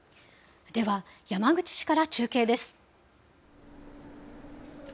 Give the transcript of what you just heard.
では、山口市から中継です。